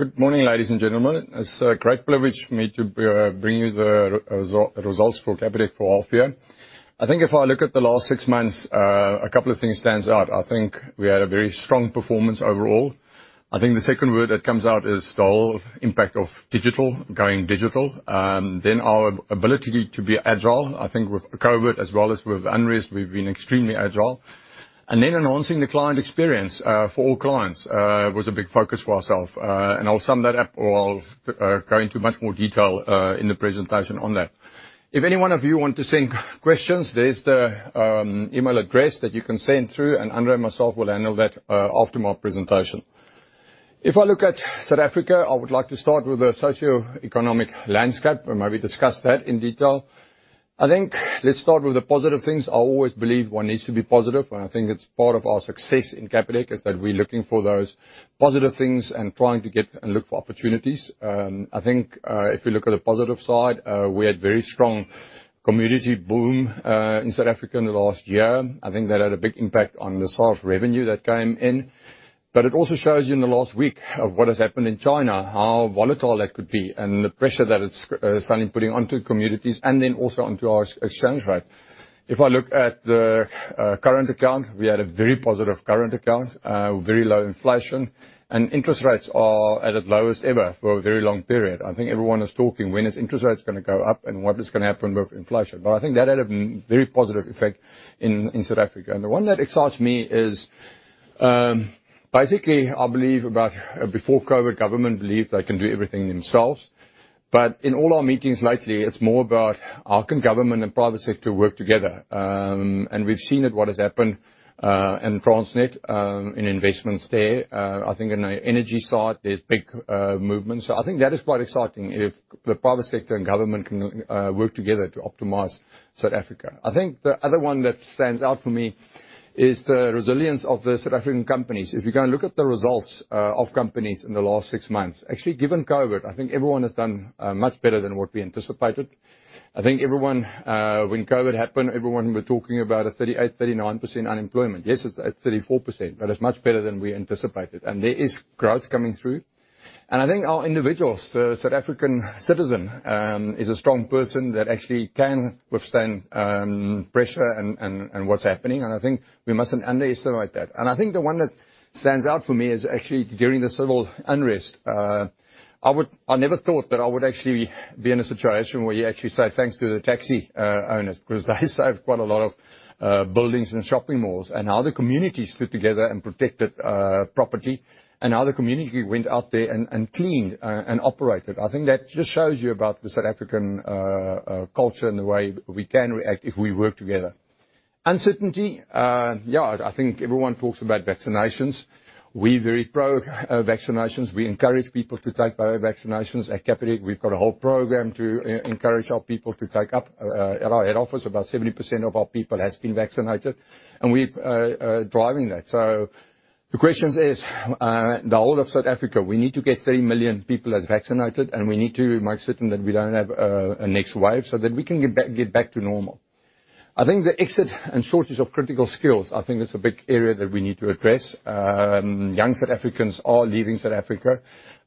Good morning, ladies and gentlemen. It's a great privilege for me to bring you the results for Capitec for half year. I think if I look at the last six months, a couple of things stands out. I think we had a very strong performance overall. I think the second word that comes out is the whole impact of digital, going digital. Our ability to be agile, I think with COVID as well as with unrest, we've been extremely agile. Enhancing the client experience, for all clients, was a big focus for ourself. I'll sum that up or I'll go into much more detail in the presentation on that. If any one of you want to send questions, there's the email address that you can send through, and André and myself will handle that after my presentation. If I look at South Africa, I would like to start with the socioeconomic landscape, and maybe discuss that in detail. I think let's start with the positive things. I always believe one needs to be positive, and I think it's part of our success in Capitec, is that we're looking for those positive things and trying to get and look for opportunities. I think, if we look at the positive side, we had very strong commodity boom in South Africa in the last year. I think that had a big impact on the sales revenue that came in. It also shows you in the last week of what has happened in China, how volatile that could be and the pressure that it's suddenly putting onto commodities and then also onto our exchange rate. If I look at the current account, we had a very positive current account, very low inflation. Interest rates are at its lowest ever for a very long period. I think everyone is talking, when is interest rates gonna go up and what is gonna happen with inflation? I think that had a very positive effect in South Africa. The one that excites me is, basically I believe about before COVID, government believed they can do everything themselves. In all our meetings lately, it's more about how can government and private sector work together. We've seen it, what has happened, in Transnet, in investments there. I think in the energy side, there's big movement. I think that is quite exciting if the private sector and government can work together to optimize South Africa. I think the other one that stands out for me is the resilience of the South African companies. If you're gonna look at the results of companies in the last six months, actually, given COVID, I think everyone has done much better than what we anticipated. I think everyone, when COVID happened, everyone were talking about a 38%, 39% unemployment. Yes, it's at 34%, but it's much better than we anticipated. There is growth coming through. I think our individuals, the South African citizen, is a strong person that actually can withstand pressure and what's happening. I think we mustn't underestimate that. I think the one that stands out for me is actually during the civil unrest. I never thought that I would actually be in a situation where you actually say thanks to the taxi owners because they saved quite a lot of buildings and shopping malls. How the community stood together and protected property, and how the community went out there and cleaned and operated. I think that just shows you about the South African culture and the way we can react if we work together. Uncertainty. Yeah, I think everyone talks about vaccinations. We're very pro vaccinations. We encourage people to take their vaccinations at Capitec. We've got a whole program to encourage our people to take up. At our head office, about 70% of our people has been vaccinated, and we're driving that. The question is, the whole of South Africa, we need to get 3 million people as vaccinated, and we need to make certain that we don't have a next wave so that we can get back to normal. I think the exit and shortage of critical skills, I think that's a big area that we need to address. Young South Africans are leaving South Africa.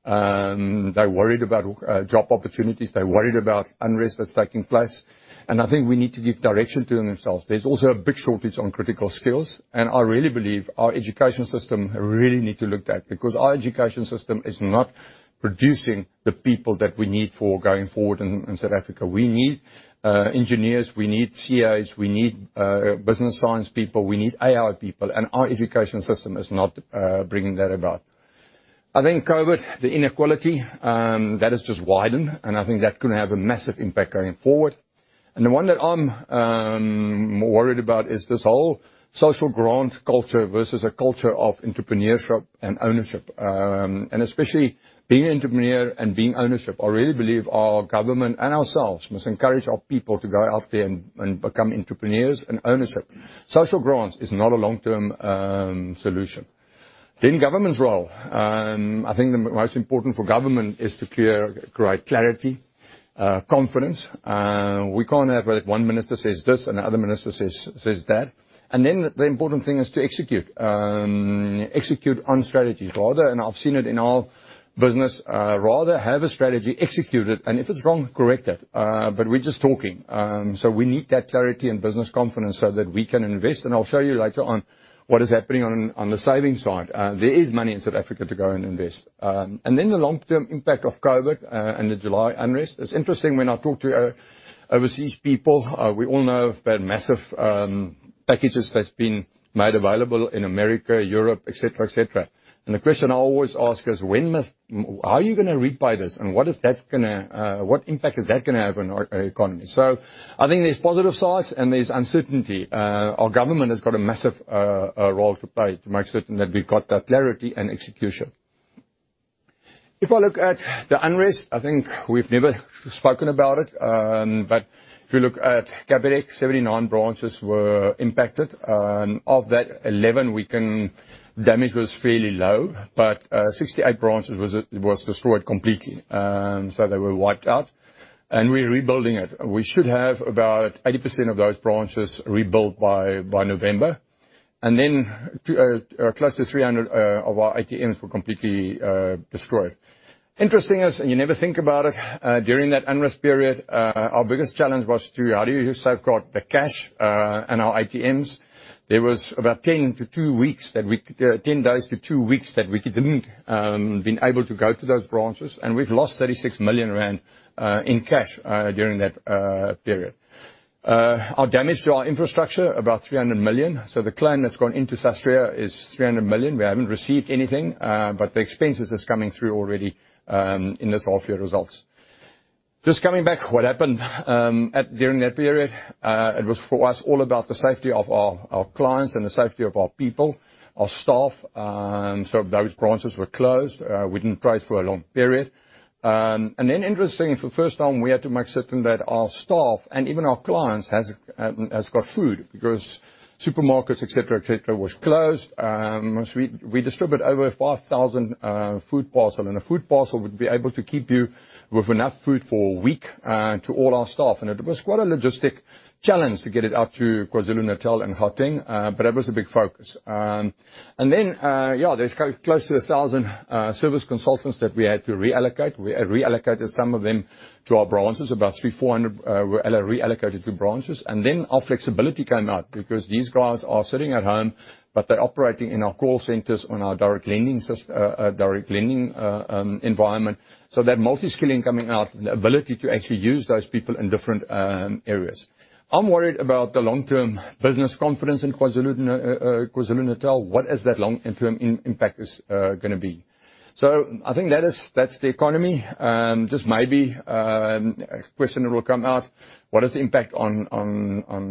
They're worried about job opportunities. They're worried about unrest that's taking place. I think we need to give direction to them ourselves. There's also a big shortage on critical skills, and I really believe our education system really need to be looked at because our education system is not producing the people that we need for going forward in South Africa. We need engineers, we need CAs, we need business science people, we need AI people, and our education system is not bringing that about. I think COVID, the inequality, that has just widened, and I think that could have a massive impact going forward. The one that I'm more worried about is this whole social grant culture versus a culture of entrepreneurship and ownership. Especially being an entrepreneur and being ownership, I really believe our government and ourselves must encourage our people to go out there and become entrepreneurs and ownership. Social grants is not a long-term solution. Government's role. I think the most important for government is to provide clarity, confidence. We can't have where one minister says this and the other minister says that. The important thing is to execute. Execute on strategies. I've seen it in our business, rather have a strategy, execute it, and if it's wrong, correct it. We're just talking. We need that clarity and business confidence so that we can invest, and I'll show you later on what is happening on the savings side. There is money in South Africa to go and invest. The long-term impact of COVID, and the July unrest. It's interesting when I talk to overseas people. We all know about massive packages that's been made available in America, Europe, et cetera. The question I always ask is, how are you gonna repay this? What impact is that gonna have on our economy? I think there's positive sides and there's uncertainty. Our government has got a massive role to play to make certain that we've got that clarity and execution. If I look at the unrest, I think we've never spoken about it. If you look at Capitec, 79 branches were impacted. Of that, 11 damage was fairly low, but 68 branches was destroyed completely. They were wiped out. We're rebuilding it. We should have about 80% of those branches rebuilt by November. Close to 300 of our ATMs were completely destroyed. Interesting, you never think about it, during that unrest period, our biggest challenge was how do you safeguard the cash and our ATMs? There was about 10 days to two weeks that we hadn't been able to go to those branches, and we've lost 36 million rand in cash during that period. Our damage to our infrastructure, about 300 million. The claim that's gone into Sasria is 300 million. We haven't received anything, the expenses is coming through already in this half year results. Just coming back, what happened during that period, it was for us all about the safety of our clients and the safety of our people, our staff. Those branches were closed. We didn't trade for a long period. Interestingly, for the first time, we had to make certain that our staff, and even our clients, has got food, because supermarkets, et cetera, was closed. We distributed over 5,000 food parcel. A food parcel would be able to keep you with enough food for a week, to all our staff. It was quite a logistic challenge to get it out to KwaZulu-Natal and Gauteng, but that was a big focus. There's close to 1,000 service consultants that we had to reallocate. We reallocated some of them to our branches. About 300 or 400 were reallocated to branches. Our flexibility came out because these guys are sitting at home, but they're operating in our call centers on our direct lending environment. That multi-skilling coming out, the ability to actually use those people in different areas. I'm worried about the long-term business confidence in KwaZulu-Natal. What is that long-term impact is going to be? I think that's the economy. Just maybe a question that will come out, what is the impact on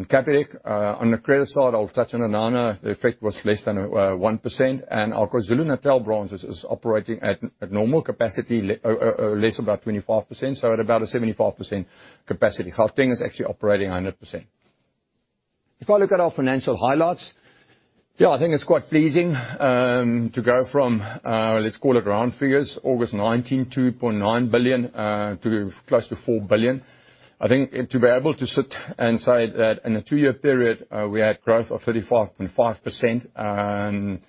Capitec? On the credit side, I'll touch on it. The effect was less than 1%, and our KwaZulu-Natal branches is operating at normal capacity, less about 25%, so at about a 75% capacity. Gauteng is actually operating 100%. If I look at our financial highlights, I think it's quite pleasing to go from, let's call it round figures, August 19, 2.9 billion, to close to 4 billion. I think to be able to sit and say that in a two-year period, we had growth of 35.5%.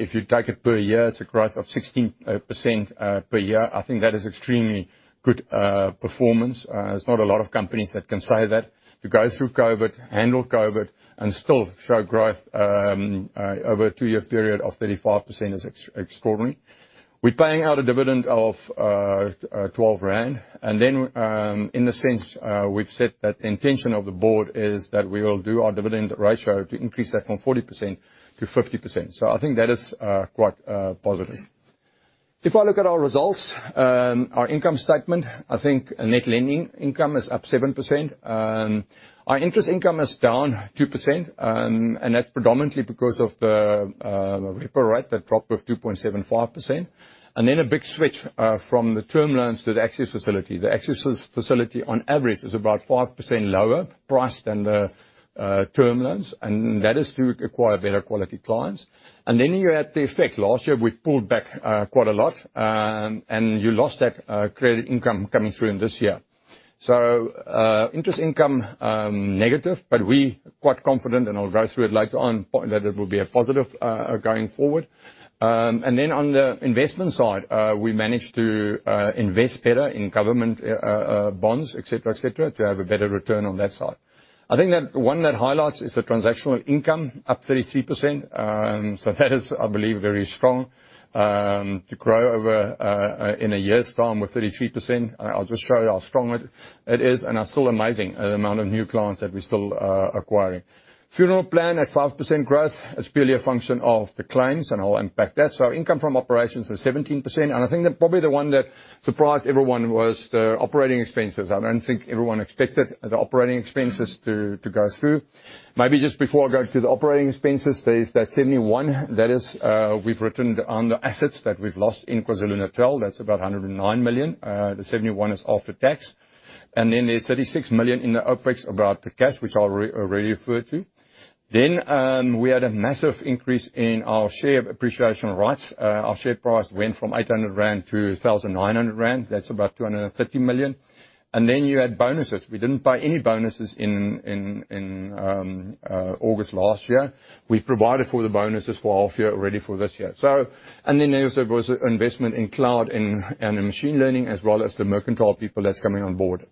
If you take it per year, it's a growth of 16% per year. I think that is extremely good performance. There's not a lot of companies that can say that. To go through COVID, handle COVID, and still show growth over a two-year period of 35% is extraordinary. We're paying out a dividend of 12 rand. In a sense, we've said that the intention of the board is that we will do our dividend ratio to increase that from 40%-50%. I think that is quite positive. If I look at our results, our income statement, I think net lending income is up 7%. Our interest income is down 2%, that's predominantly because of the repo rate that dropped of 2.75%. A big switch from the term loans to the Access Facility. The Access Facility, on average, is about 5% lower price than the term loans, that is to acquire better quality clients. You had the effect. Last year, we pulled back quite a lot, you lost that credit income coming through in this year. Interest income, negative, we are quite confident, I'll go through it later on, that it will be a positive going forward. On the investment side, we managed to invest better in government bonds, et cetera, to have a better return on that side. I think one that highlights is the transactional income, up 33%. That is, I believe, very strong to grow in a year's time with 33%. I'll just show you how strong it is. Are still amazing the amount of new clients that we're still acquiring. Funeral plan at 5% growth. It's purely a function of the clients and I'll impact that. Our income from operations is 17%. I think that probably the one that surprised everyone was the operating expenses. I don't think everyone expected the operating expenses to go through. Maybe just before I go through the operating expenses, there is that 71. That is, we've written on the assets that we've lost in KwaZulu-Natal. That's about 109 million. The 71 is after tax. Then there's 36 million in the OpEx about the cash, which I already referred to. We had a massive increase in our share appreciation rights. Our share price went from 800-1,900 rand. That is about 230 million. You add bonuses. We didn't pay any bonuses in August last year. We've provided for the bonuses for half year already for this year. There also was investment in cloud and in machine learning, as well as the Mercantile people that's coming on board.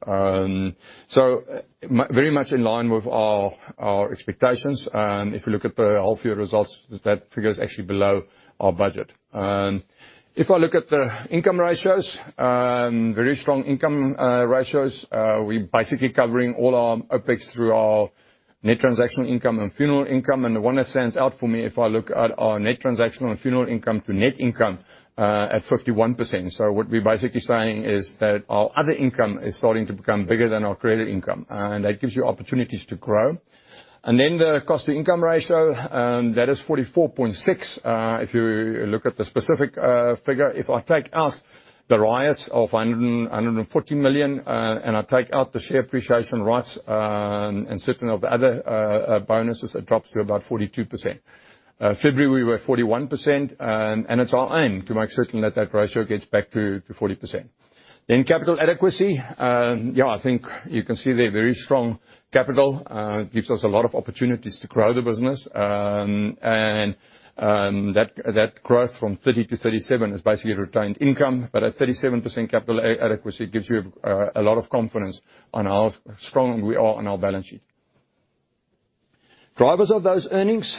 Very much in line with our expectations. If you look at the half year results, that figure is actually below our budget. If I look at the income ratios, very strong income ratios. We basically covering all our OpEx through our net transactional income and funeral income. The one that stands out for me, if I look at our net transactional and funeral income to net income at 51%. What we're basically saying is that our other income is starting to become bigger than our credit income, and that gives you opportunities to grow. The cost to income ratio, that is 44.6. If you look at the specific figure, if I take out the riots of 140 million, and I take out the Share Appreciation Rights, and certain of the other bonuses, it drops to about 42%. February we were 41%, and it's our aim to make certain that that ratio gets back to 40%. Capital Adequacy. I think you can see they're very strong capital. Gives us a lot of opportunities to grow the business. That growth from 30%-37% is basically a retained income. A 37% Capital Adequacy gives you a lot of confidence on how strong we are on our balance sheet. Drivers of those earnings.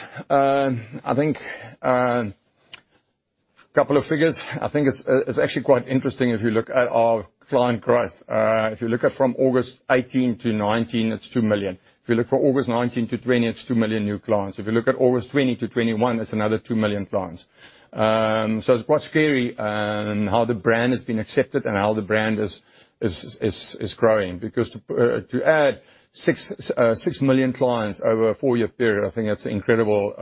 A couple of figures. I think it's actually quite interesting if you look at our client growth. If you look at from August 2018 to 2019, it's 2 million. If you look from August 2019 to 2020, it's 2 million new clients. If you look at August 2020 to 2021, that's another 2 million clients. It's quite scary in how the brand has been accepted and how the brand is growing. Because to add 6 million clients over a four-year period, I think that's an incredible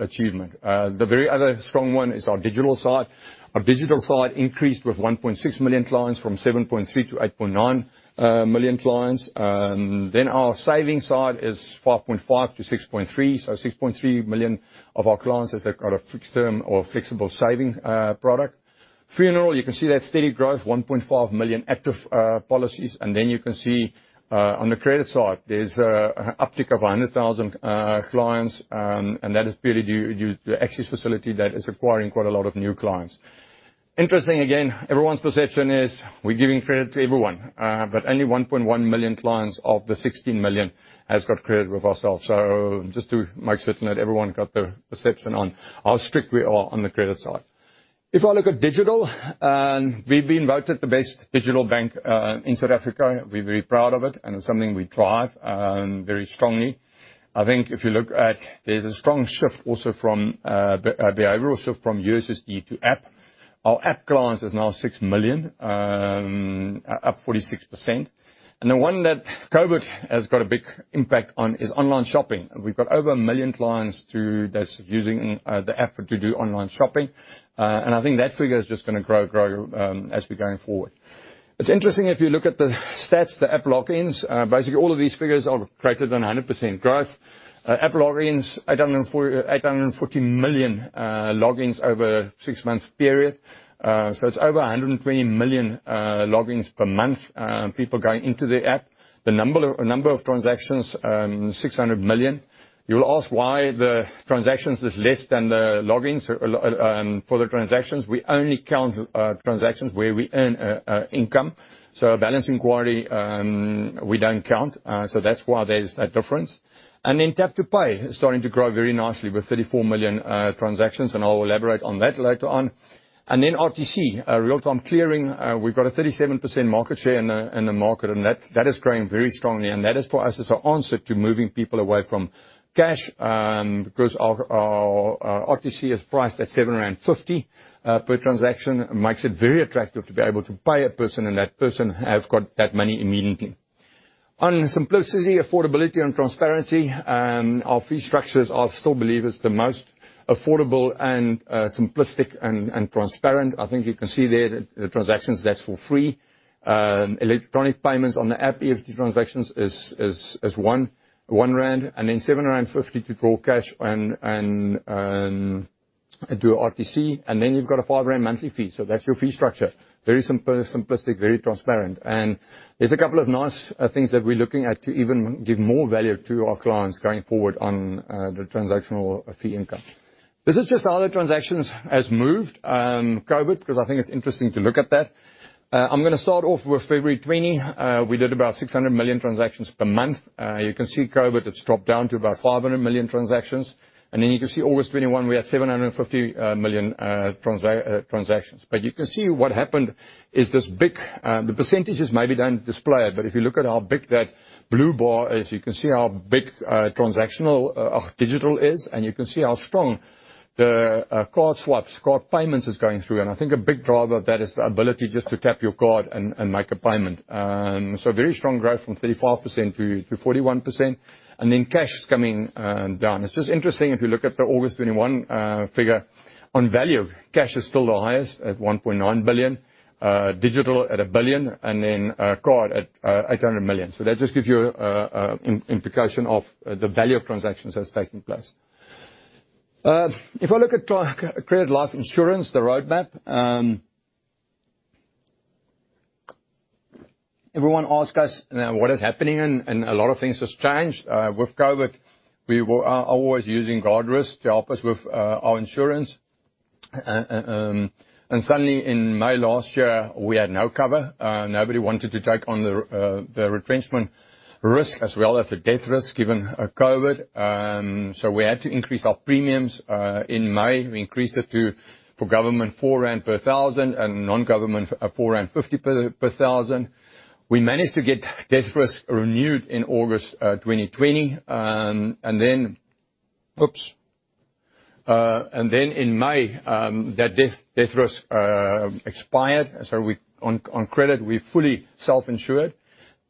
achievement. The very other strong one is our digital side. Our digital side increased with 1.6 million clients, from 7.3 million-8.9 million clients. Our savings side is 5.5 million-6.3 million. 6.3 million of our clients has got a fixed term or flexible savings product. Funeral, you can see that steady growth, 1.5 million active policies. You can see on the credit side, there's an uptick of 100,000 clients, that is purely due to the Access Facility that is acquiring quite a lot of new clients. Interesting, again, everyone's perception is we're giving credit to everyone. Only 1.1 million clients of the 16 million has got credit with ourselves. Just to make certain that everyone got the perception on how strict we are on the credit side. If I look at digital, we've been voted the best digital bank in South Africa. We're very proud of it, and it's something we drive very strongly. I think if you look at, there's a strong shift also from behavior, also from USSD to app. Our app clients is now 6 million, up 46%. The one that COVID has got a big impact on is online shopping. We've got over 1 million clients that's using the app to do online shopping. I think that figure is just going to grow as we're going forward. It's interesting if you look at the stats, the app logins. Basically all of these figures are greater than 100% growth. App logins, 840 million logins over six months period. It's over 120 million logins per month, people going into the app. The number of transactions, 600 million. You'll ask why the transactions is less than the logins. For the transactions, we only count transactions where we earn income. A balance inquiry, we don't count. That's why there's that difference. Then Tap to Pay is starting to grow very nicely with 34 million transactions, and I'll elaborate on that later on. Then RTC, real-time clearing. We've got a 37% market share in the market, and that is growing very strongly. That is, for us, is our answer to moving people away from cash. Because our RTC is priced at R7.50 per transaction. Makes it very attractive to be able to pay a person, and that person have got that money immediately. On simplicity, affordability, and transparency, our fee structures I still believe is the most affordable and simplistic and transparent. I think you can see there that the transactions, that's for free. Electronic payments on the app, EFT transactions is R1, and then R7.50 to draw cash and do RTC. You've got a R5 monthly fee. That's your fee structure. Very simplistic, very transparent. There's a couple of nice things that we're looking at to even give more value to our clients going forward on the transactional fee income. This is just how the transactions has moved, COVID, because I think it's interesting to look at that. I'm going to start off with February 2020. We did about 600 million transactions per month. You can see COVID, it's dropped down to about 500 million transactions. You can see August 2021, we had 750 million transactions. You can see what happened is the percentages maybe don't display it, but if you look at how big that blue bar is, you can see how big transactional, digital is. You can see how strong the card swaps, card payments is going through. I think a big driver of that is the ability just to tap your card and make a payment. Very strong growth from 35%-41%. Cash is coming down. It's just interesting if you look at the August 2021 figure. On value, cash is still the highest at 1.9 billion. Digital at 1 billion, card at 800 million. That just gives you an implication of the value of transactions that's taking place. If I look at credit life insurance, the roadmap. Everyone ask us what is happening, a lot of things has changed with COVID. We were always using Guardrisk to help us with our insurance. Suddenly in May last year, we had no cover. Nobody wanted to take on the retrenchment risk as well as the death risk given COVID. We had to increase our premiums in May. We increased it for government, 4 rand per thousand, and non-government, 4.50 rand per thousand. We managed to get death risk renewed in August 2020. In May, that death risk expired. On credit, we fully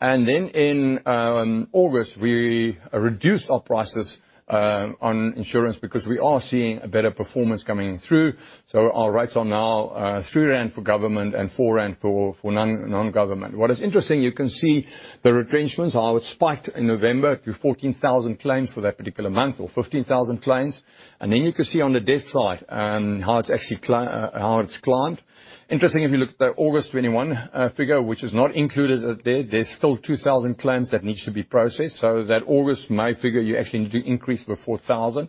self-insured. In August, we reduced our prices on insurance because we are seeing a better performance coming through. Our rates are now 3 rand for government and 4 rand for non-government. What is interesting, you can see the retrenchments are spiked in November to 14,000 claims for that particular month, or 15,000 claims. You can see on the death side how it's climbed. Interesting, if you look at the August 2021 figure, which is not included there's still 2,000 claims that needs to be processed. That August, May figure, you actually need to increase by 4,000.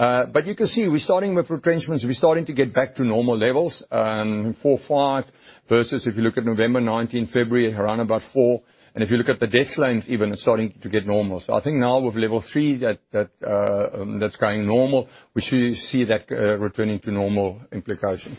You can see we're starting with retrenchments. We're starting to get back to normal levels, 4, 5, versus if you look at November 2019, February, around about 4. If you look at the death claims even, it's starting to get normal. I think now with Level 3 that's going normal, we should see that returning to normal implications.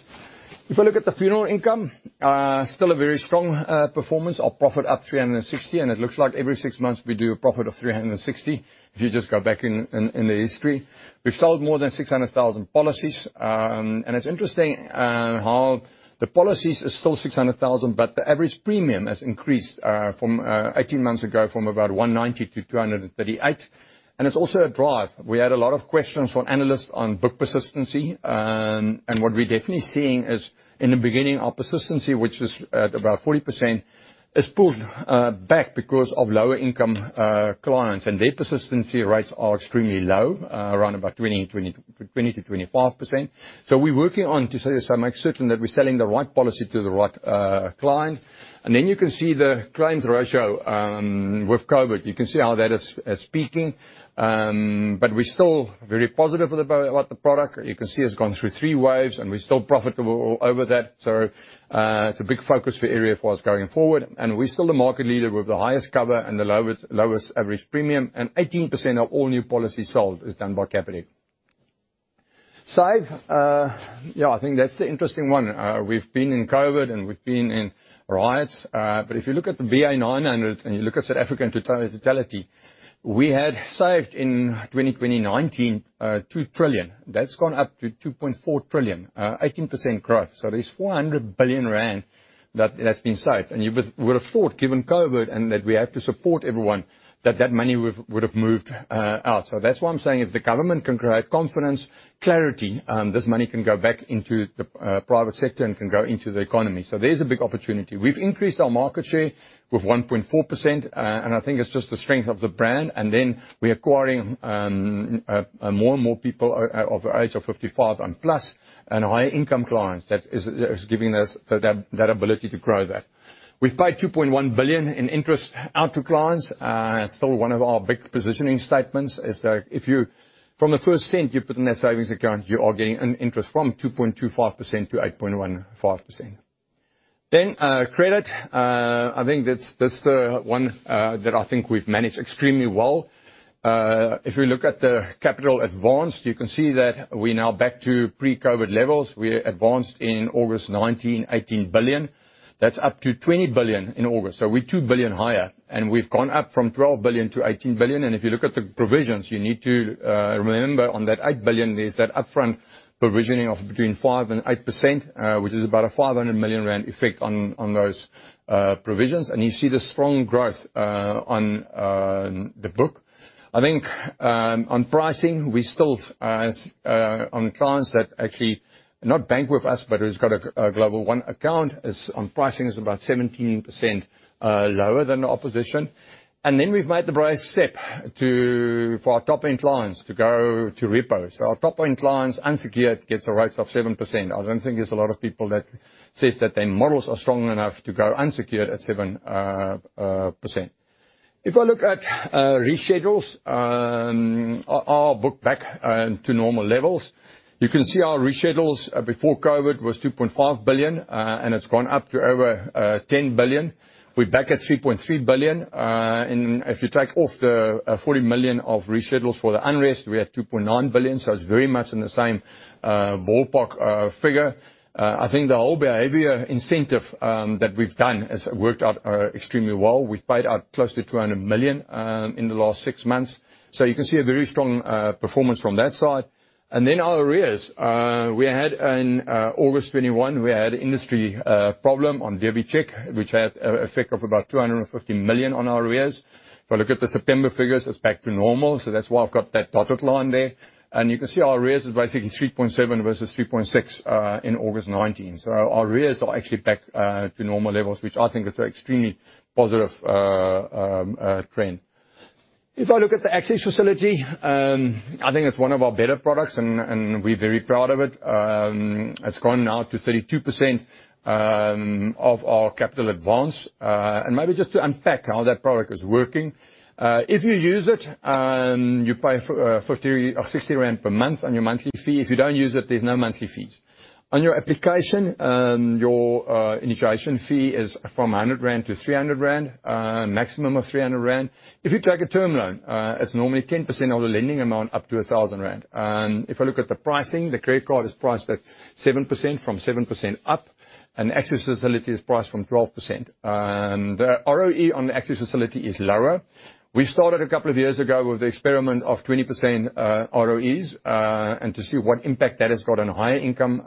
If I look at the funeral income, still a very strong performance. Our profit up 360, and it looks like every six months we do a profit of 360, if you just go back in the history. We've sold more than 600,000 policies. It's interesting how the policies are still 600,000, but the average premium has increased from 18 months ago from about 190-238. It's also a drive. We had a lot of questions from analysts on book persistency. What we're definitely seeing is in the beginning, our persistency, which is at about 40%, is pulled back because of lower-income clients. Their persistency rates are extremely low, around about 20%-25%. We're working on, to some extent, making certain that we're selling the right policy to the right client. You can see the claims ratio with COVID. You can see how that is speaking. We're still very positive about the product. You can see it's gone through three waves, and we're still profitable over that. It's a big focus for area for us going forward. We're still the market leader with the highest cover and the lowest average premium. 18% of all new policies sold is done by Capitec. Saved. Yeah, I think that's the interesting one. We've been in COVID, and we've been in riots. If you look at the BA900, and you look at South African totality, we had saved in 2019, 2 trillion. That's gone up to 2.4 trillion, 18% growth. There's 400 billion rand that's been saved. You would've thought, given COVID, and that we have to support everyone, that that money would have moved out. That's why I'm saying if the government can create confidence, clarity, this money can go back into the private sector and can go into the economy. There's a big opportunity. We've increased our market share with 1.4%, and I think it's just the strength of the brand. We're acquiring more and more people of the age of 55 and plus, and higher income clients. That is giving us that ability to grow that. We've paid 2.1 billion in interest out to clients. Still one of our big positioning statements is that from the first cent you put in that savings account, you are getting an interest from 2.25%-8.15%. Credit. I think that's the one that I think we've managed extremely well. If you look at the capital advanced, you can see that we're now back to pre-COVID levels. We advanced in August 2019, 18 billion. That's up to 20 billion in August. We're 2 billion higher. We've gone up from 12 billion to 18 billion. If you look at the provisions, you need to remember on that 8 billion, there's that upfront provisioning of between 5% and 8%, which is about a 500 million rand effect on those provisions. You see the strong growth on the book. I think on pricing, we still, on the clients that actually are not bank with us but who's got a Global One account, on pricing is about 17% lower than the opposition. We've made the brave step for our top-end clients to go to repo. Our top-end clients unsecured gets a rates of 7%. I don't think there's a lot of people that says that their models are strong enough to go unsecured at 7%. If I look at reschedules, our book back to normal levels. You can see our reschedules before COVID was 2.5 billion, and it's gone up to over 10 billion. We're back at 3.3 billion. If you take off the 40 million of reschedules for the unrest, we're at 2.9 billion. It's very much in the same ballpark figure. I think the whole behavior incentive that we've done has worked out extremely well. We've paid out close to 200 million in the last six months. You can see a very strong performance from that side. Our arrears. In August 2021, we had industry problem on DebiCheck, which had effect of about 250 million on our arrears. If I look at the September figures, it's back to normal. That's why I've got that dotted line there. You can see our arrears is basically 3.7 versus 3.6 in August 2019. Our arrears are actually back to normal levels, which I think is an extremely positive trend. If I look at the Access Facility, I think it's one of our better products, and we're very proud of it. It's gone now to 32% of our capital advance. Maybe just to unpack how that product is working. If you use it, you pay 60 rand per month on your monthly fee. If you don't use it, there's no monthly fees. On your application, your initiation fee is from 100 rand- 300 rand, maximum of 300 rand. If you take a term loan, it's normally 10% of the lending amount, up to 1,000 rand. If I look at the pricing, the credit card is priced at 7%, from 7% up. Access Facility is priced from 12%. The ROE on the Access Facility is lower. We started a couple of years ago with the experiment of 20% ROEs, and to see what impact that has got on higher income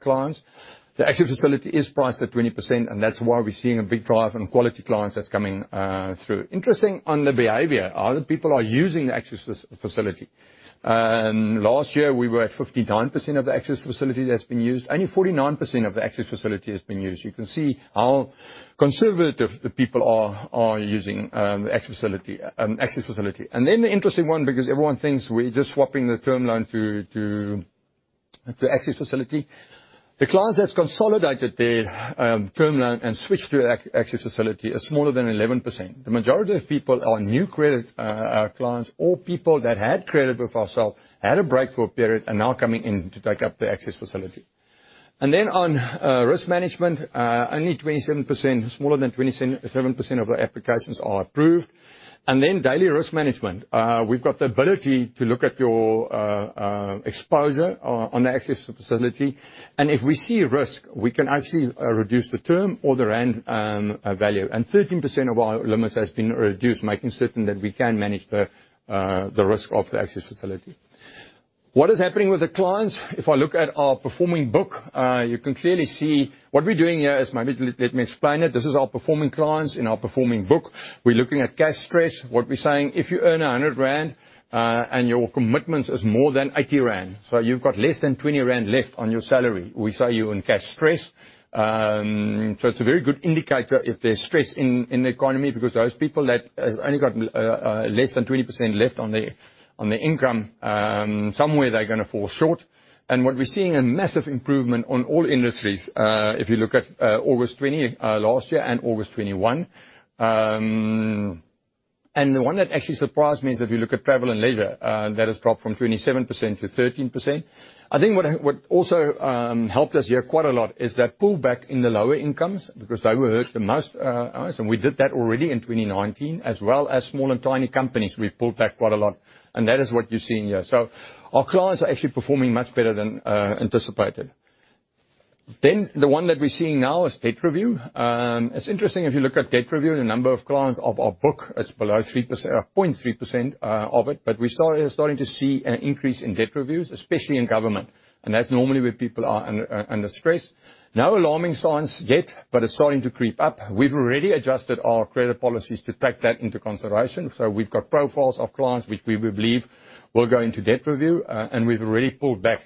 clients. The Access Facility is priced at 20%, and that's why we're seeing a big drive in quality clients that's coming through. Interesting on the behavior, our people are using the Access Facility. Last year, we were at 59% of the Access Facility that's been used. Only 49% of the Access Facility has been used. You can see how conservative the people are using Access Facility. The interesting one, because everyone thinks we're just swapping the term loan to Access Facility. The clients that's consolidated their term loan and switched to Access Facility is smaller than 11%. The majority of people are new credit clients or people that had credit with ourself, had a break for a period, are now coming in to take up the Access Facility. On risk management, only 27%, smaller than 27% of the applications are approved. Daily risk management, we've got the ability to look at your exposure on the Access Facility, and if we see risk, we can actually reduce the term or the rand value. 13% of our limits has been reduced, making certain that we can manage the risk of the Access Facility. What is happening with the clients? If I look at our performing book, you can clearly see what we're doing here is, maybe let me explain it. This is our performing clients in our performing book. We're looking at cash stress. What we're saying, if you earn 100 rand, and your commitments is more than 80 rand, so you've got less than 20 rand left on your salary, we say you're in cash stress. It's a very good indicator if there's stress in the economy because those people that has only got less than 20% left on their income, somewhere they're going to fall short. What we're seeing a massive improvement on all industries. If you look at August 2020 last year and August 2021. The one that actually surprised me is if you look at travel and leisure, that has dropped from 37%-13%. I think what also helped us here quite a lot is that pullback in the lower incomes because they were hurt the most. We did that already in 2019, as well as small and tiny companies, we pulled back quite a lot. That is what you're seeing here. Our clients are actually performing much better than anticipated. The one that we're seeing now is Debt Review. It's interesting if you look at Debt Review, the number of clients of our book, it's below 0.3% of it. We're starting to see an increase in Debt Reviews, especially in government. That's normally where people are under stress. No alarming signs yet, but it's starting to creep up. We've already adjusted our credit policies to take that into consideration. We've got profiles of clients which we believe will go into Debt Review, and we've already pulled back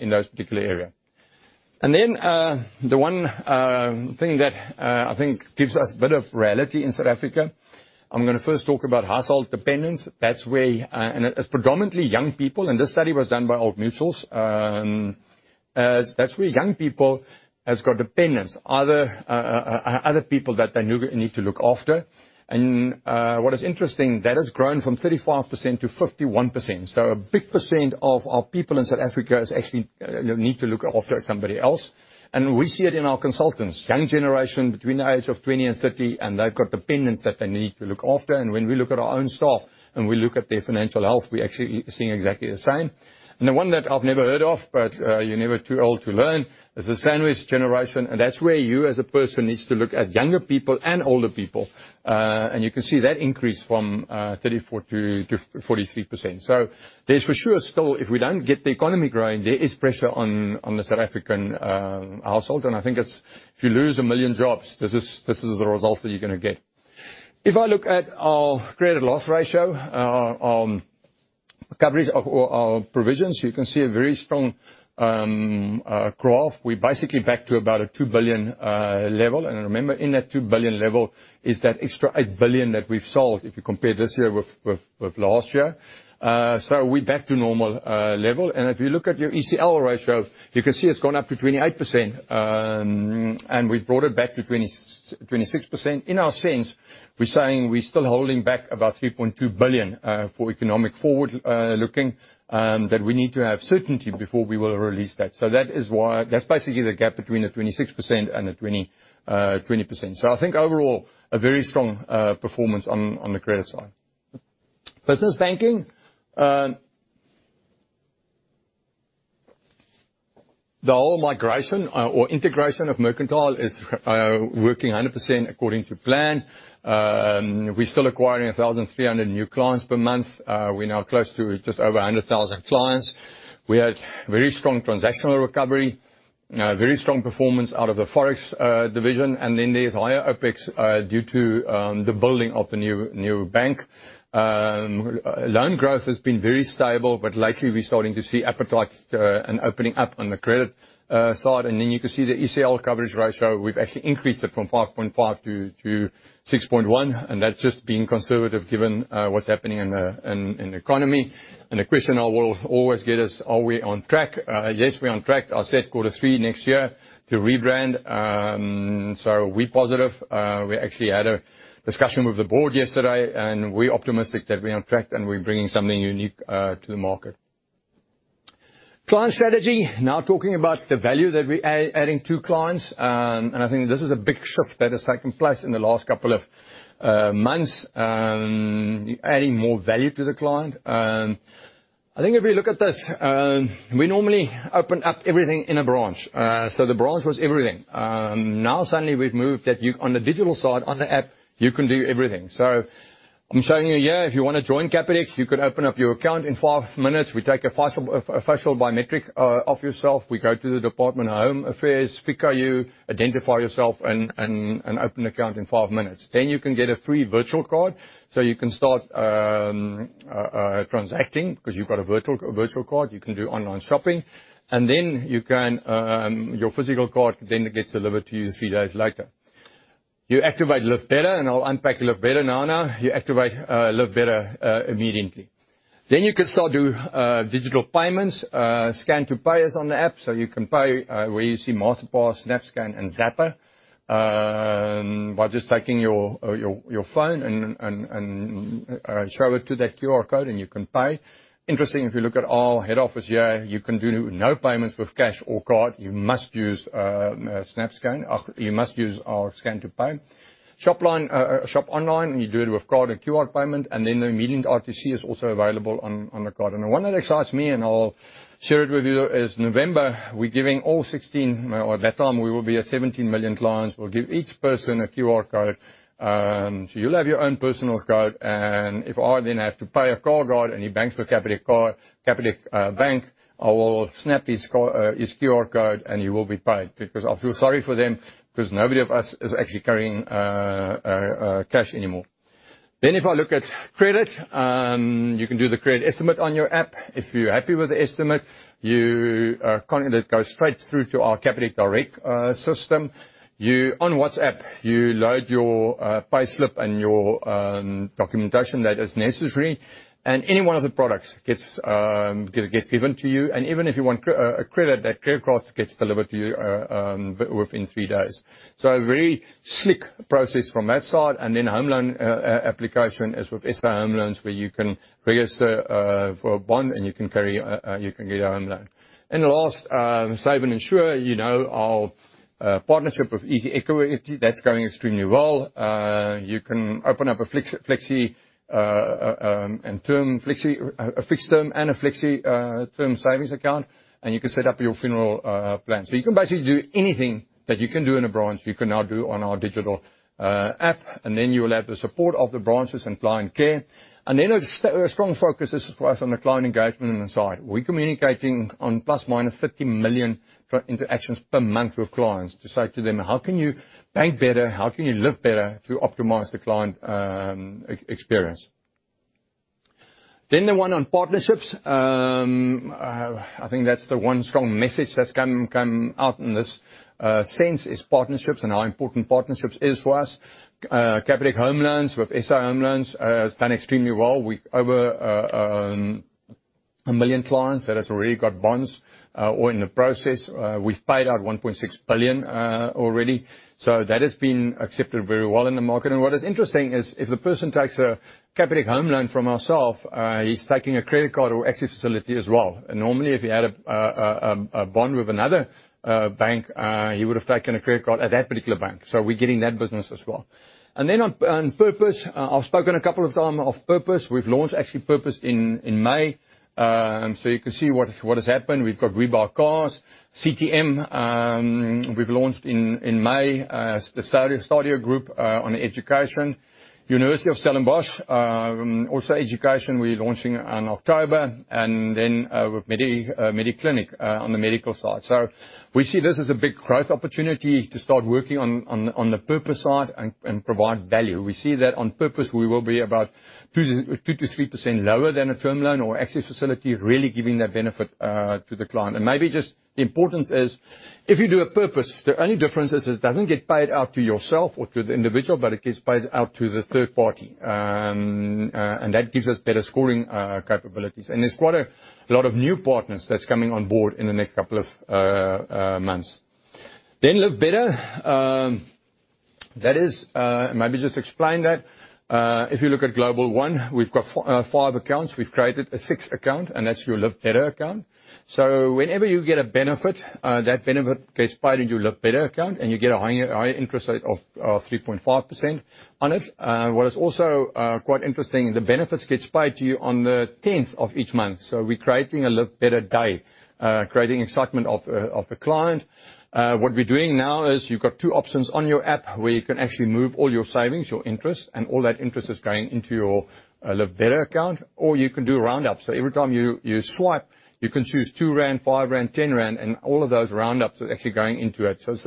in those particular area. The one thing that I think gives us a bit of reality in South Africa, I'm going to first talk about household dependence. That's where, and it's predominantly young people, and this study was done by Old Mutual. That's where young people has got dependents, other people that they need to look after. What is interesting, that has grown from 35%-51%. A big percent of our people in South Africa actually need to look after somebody else. We see it in our consultants. Young generation between the age of 20 and 30, and they've got dependents that they need to look after. When we look at our own staff and we look at their financial health, we actually seeing exactly the same. The one that I've never heard of, but you're never too old to learn, is the sandwich generation. That's where you as a person needs to look at younger people and older people. You can see that increase from 34%-43%. There's for sure still, if we don't get the economy growing, there is pressure on the South African household, and I think if you lose 1 million jobs, this is the result that you're going to get. If I look at our credit loss ratio on coverage of our provisions, you can see a very strong growth. We're basically back to about a 2 billion level. Remember, in that 2 billion level is that extra 8 billion that we've sold if you compare this year with last year. We back to normal level. If you look at your ECL ratio, you can see it's gone up to 28%, and we've brought it back to 26%. In our sense, we're saying we're still holding back about 3.2 billion, for economic forward looking, that we need to have certainty before we will release that. That's basically the gap between the 26% and the 20%. I think overall, a very strong performance on the credit side. Business banking. The whole migration or integration of Mercantile is working 100% according to plan. We're still acquiring 1,300 new clients per month. We're now close to just over 100,000 clients. We had very strong transactional recovery, very strong performance out of the Forex division. There's higher OpEx, due to the building of the new bank. Loan growth has been very stable, but lately, we're starting to see appetite and opening up on the credit side. You can see the ECL coverage ratio. We've actually increased it from 5.5-6.1, and that's just being conservative given what's happening in the economy. The question I will always get is, are we on track? Yes, we're on track. I said quarter three next year to rebrand. We're positive. We actually had a discussion with the board yesterday, and we're optimistic that we're on track and we're bringing something unique to the market. Client strategy. Now talking about the value that we adding to clients. I think this is a big shift that has taken place in the last couple of months, adding more value to the client. I think if you look at this, we normally open up everything in a branch. The branch was everything. Now suddenly we've moved that on the digital side, on the app, you can do everything. I'm showing you here, if you want to join Capitec, you could open up your account in five minutes. We take a facial biometric of yourself. We go to the Department of Home Affairs, FICA you, identify yourself, and open account in five minutes. You can get a free Virtual Card. You can start transacting because you've got a Virtual Card. You can do online shopping. Your physical card then gets delivered to you three days later. You activate Live Better, and I'll unpack Live Better now. You activate Live Better immediately. You can start doing digital payments. Scan to Pay is on the app. You can pay where you see Masterpass, SnapScan, and Zapper, by just taking your phone and show it to that QR code, and you can pay. Interesting, if you look at our head office here, you can do no payments with cash or card. You must use our Scan to Pay. Shop online, you do it with card and QR payment, immediate RTC is also available on the card. The one that excites me, and I'll share it with you, is November, we're giving all 16. By that time, we will be at 17 million clients. We'll give each person a QR code. You'll have your own personal code, and if I then have to pay a card holder and he banks with Capitec Bank, I will snap his QR code, he will be paid. I'll feel sorry for them, because nobody of us is actually carrying cash anymore. If I look at credit, you can do the credit estimate on your app. If you're happy with the estimate, you can let it go straight through to our Capitec Direct system. On WhatsApp, you load your payslip and your documentation that is necessary, any one of the products gets given to you. Even if you want credit, that credit card gets delivered to you within three days. A very slick process from that side. Then home loan application is with SA Home Loans, where you can register for a bond, and you can get a home loan. The last, save and insure, you know our partnership with EasyEquities. That's going extremely well. You can open up a fixed term and a flexi-term savings account, and you can set up your funeral plan. You can basically do anything that you can do in a branch, you can now do on our digital app. You will have the support of the branches and client care. A strong focus is for us on the client engagement side. We're communicating on ±50 million interactions per month with clients to say to them, "How can you bank better? How can you Live Better to optimize the client experience?" The one on partnerships. I think that's the one strong message that's come out in this sense is partnerships and how important partnerships is for us. Capitec Home Loans with SA Home Loans has done extremely well, with over 1 million clients that has already got bonds or in the process. We've paid out 1.6 billion already. That has been accepted very well in the market. What is interesting is, if a person takes a Capitec Home Loan from ourself, he's taking a credit card or Access Facility as well. Normally, if he had a bond with another bank, he would have taken a credit card at that particular bank. We're getting that business as well. On Purpose. I've spoken a couple of times of Purpose. We've launched actually Purpose in May. You can see what has happened. We've got WeBuyCars. CTM, we've launched in May. The Stadio Group on education. Stellenbosch University, also education, we're launching in October. With Mediclinic on the medical side. We see this as a big growth opportunity to start working on the Purpose side and provide value. We see that on Purpose, we will be about 2%-3% lower than a term loan or Access Facility, really giving that benefit to the client. Maybe just the importance is, if you do a purpose, the only difference is it doesn't get paid out to yourself or to the individual, but it gets paid out to the third party. That gives us better scoring capabilities. There's quite a lot of new partners that's coming on board in the next couple of months. Live Better. Maybe just explain that. If you look at Global One, we've got five accounts. We've created a sixth account, and that's your Live Better account. Whenever you get a benefit, that benefit gets paid into your Live Better account, and you get a higher interest rate of 3.5% on it. What is also quite interesting, the benefits get paid to you on the 10th of each month. We're creating a Live Better day, creating excitement of the client. What we're doing now is you've got two options on your app where you can actually move all your savings, your interest, and all that interest is going into your Live Better account, or you can do roundups. Every time you swipe, you can choose 2 rand, 5 rand, 10 rand, and all of those roundups are actually going into it. In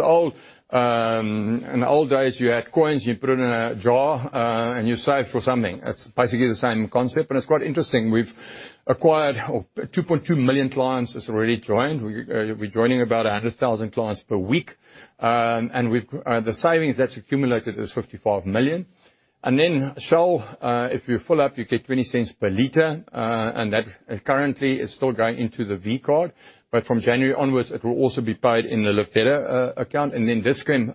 the old days, you had coins, you put it in a jar, and you save for something. That's basically the same concept, and it's quite interesting. We've acquired 2.2 million clients that's already joined. We're joining about 100,000 clients per week. The savings that's accumulated is 55 million. Shell, if you fill up, you get 0.20 per liter, and that currently is still going into the Virtual Card. From January onwards, it will also be paid in the Live Better account. Then Dis-Chem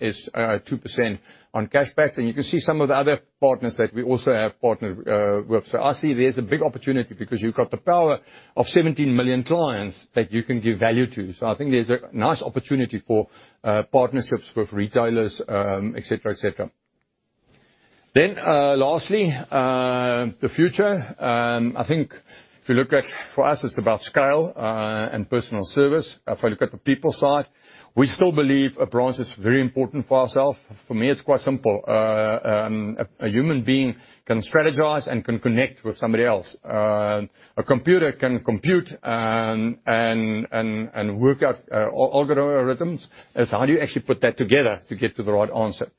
is 2% on cashbacks. You can see some of the other partners that we also have partnered with. I see there's a big opportunity because you've got the power of 17 million clients that you can give value to. I think there's a nice opportunity for partnerships with retailers, et cetera. Lastly, the future. I think if you look at, for us, it's about scale and personal service. If I look at the people side, we still believe a branch is very important for ourself. For me, it's quite simple. A human being can strategize and can connect with somebody else. A computer can compute and work out algorithms. It's how do you actually put that together to get to the right answer?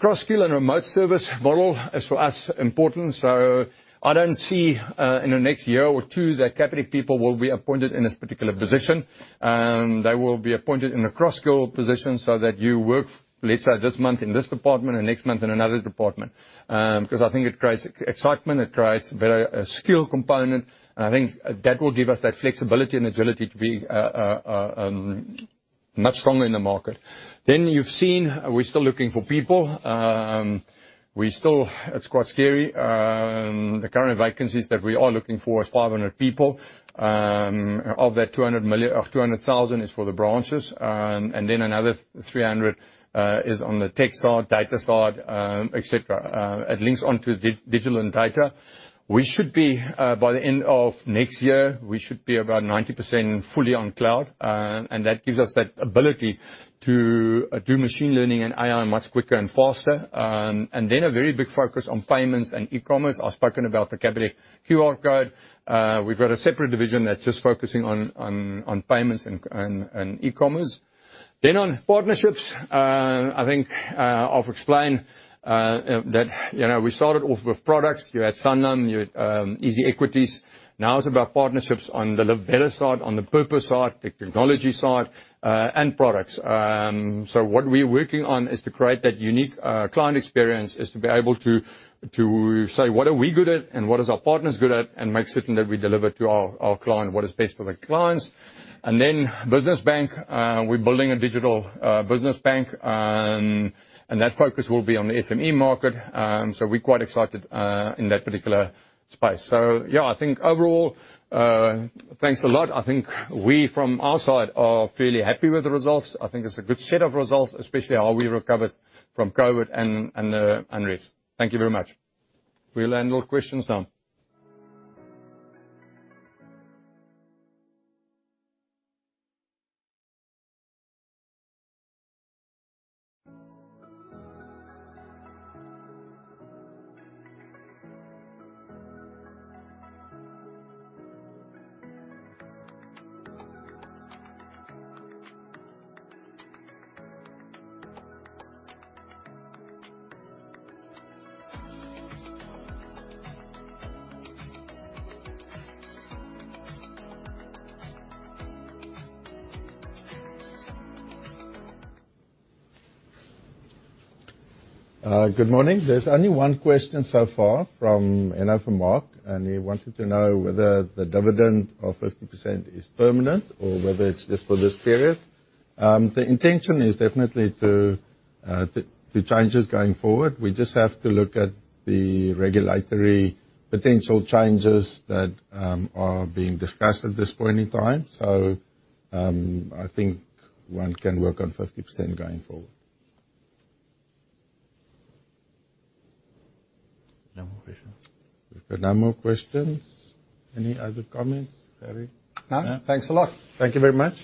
Cross-skill and remote service model is, for us, important. I don't see in the next year or two years that Capitec people will be appointed in this particular position. They will be appointed in a cross-skill position so that you work, let's say, this month in this department or next month in another department. I think it creates excitement, it creates a better skill component, and I think that will give us that flexibility and agility to be much stronger in the market. You've seen we're still looking for people. It's quite scary. The current vacancies that we are looking for is 500 people. Of that, 200,000 is for the branches, and then another 300 is on the tech side, data side, et cetera. It links onto digital and data. By the end of next year, we should be about 90% fully on cloud, and that gives us that ability to do machine learning and AI much quicker and faster. A very big focus on payments and e-commerce. I've spoken about the Capitec QR code. We've got a separate division that's just focusing on payments and e-commerce. On partnerships, I think I've explained that we started off with products. You had Sanlam, you had EasyEquities. Now it's about partnerships on the Live Better side, on the purpose side, the technology side, and products. What we're working on is to create that unique client experience, is to be able to say what are we good at and what is our partners good at, and make certain that we deliver to our client what is best for the clients. Business bank, we're building a digital business bank. That focus will be on the SME market. We're quite excited in that particular space. I think overall, thanks a lot. I think we, from our side, are fairly happy with the results. I think it's a good set of results, especially how we recovered from COVID and risks. Thank you very much. We'll handle questions now. Good morning. There's only one question so far from Mark, he wanted to know whether the dividend of 50% is permanent or whether it's just for this period. The intention is definitely to change this going forward. We just have to look at the regulatory potential changes that are being discussed at this point in time. I think one can work on 50% going forward. No more questions. We've got no more questions. Any other comments, Gerrie? No. Thanks a lot. Thank you very much.